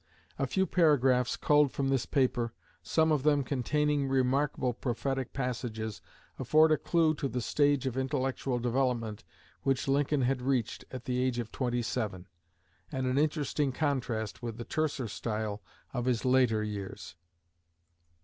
A few paragraphs culled from this paper, some of them containing remarkable prophetic passages, afford a clue to the stage of intellectual development which Lincoln had reached at the age of twenty seven, and an interesting contrast with the terser style of his later years.